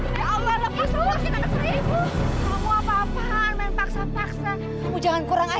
sampai jumpa di video selanjutnya